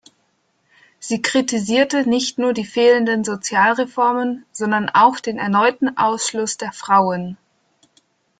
Sie kritisierte nicht nur die fehlenden Sozialreformen, sondern auch den erneuten Ausschluss der Frauen.